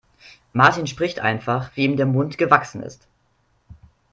Martin spricht einfach, wie ihm der Mund gewachsen ist.